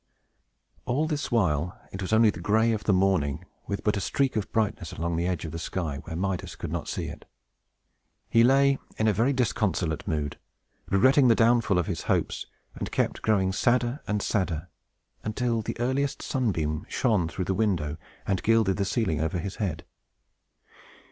All this while, it was only the gray of the morning, with but a streak of brightness along the edge of the sky, where Midas could not see it. He lay in a very disconsolate mood, regretting the downfall of his hopes, and kept growing sadder and sadder, until the earliest sunbeam shone through the window, and gilded the ceiling over his head.